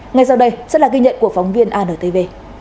ngay sau đây sẽ là ghi nhận của phóng viên antv